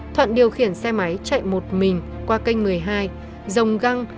thoạn điều khiển xe máy chạy một mình qua kênh một mươi hai dòng găng